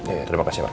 terima kasih pak